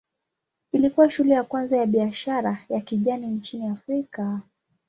Ilikuwa shule ya kwanza ya biashara ya kijani nchini Afrika.